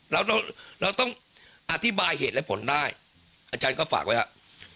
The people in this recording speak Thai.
เราเราต้องอธิบายเหตุและผลได้อาจารย์ก็ฝากไว้ครับ